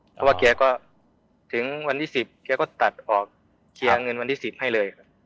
เพราะว่าแกก็ถึงวันที่๑๐แกก็ตัดออกเชียร์เงินวันที่๑๐ให้เลย